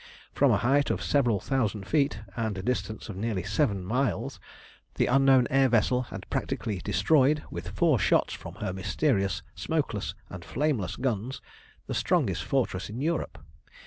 From a height of several thousand feet, and a distance of nearly seven miles, the unknown air vessel had practically destroyed, with four shots from her mysterious, smokeless, and flameless guns, the strongest fortress in Europe.